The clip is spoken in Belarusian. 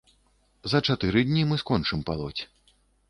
За чатыры дні мы скончым палоць.